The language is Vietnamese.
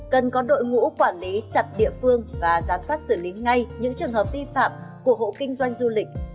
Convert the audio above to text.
cần có đội ngũ quản lý chặt địa phương và giám sát xử lý ngay những trường hợp vi phạm của hộ kinh doanh du lịch